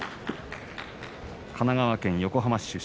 神奈川県横浜市